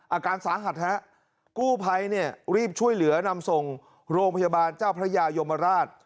อาการสาหัสฮะกู้ภัยเนี่ยรีบช่วยเหลือนำส่งโรงพยาบาลเจ้าพระยายมราช